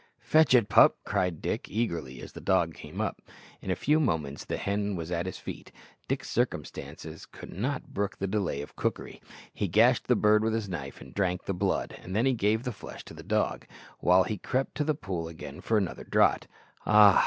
"Fetch it, pup," cried Dick eagerly as the dog came up. In a few moments the hen was at his feet. Dick's circumstances could not brook the delay of cookery; he gashed the bird with his knife and drank the blood, and then gave the flesh to the dog, while he crept to the pool again for another draught. Ah!